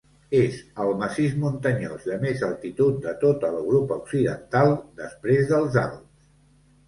És el massís muntanyós de més altitud de tota l'Europa occidental, després dels Alps.